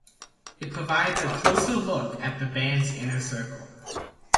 It provides a "closer look at the band's inner circle".